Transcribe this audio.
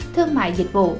thương mại dịch vụ